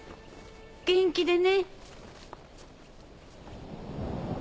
元気でね。